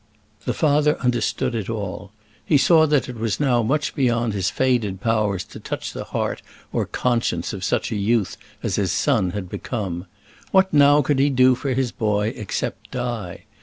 The father understood it all. He saw that it was now much beyond his faded powers to touch the heart or conscience of such a youth as his son had become. What now could he do for his boy except die?